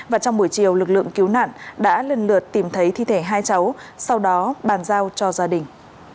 và trong buổi chiều lực lượng cứu nạn đã lần lượt tìm thấy thi thể hai cháu sau đó bàn giao cho gia đình